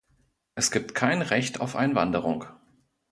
Es gibt kein Recht auf Einwanderung.